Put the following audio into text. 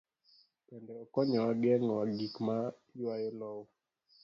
Bende okonyowa geng'o gik ma ywayo lowo.